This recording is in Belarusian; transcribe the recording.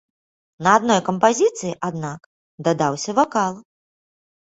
На адной кампазіцыі, аднак, дадаўся вакал.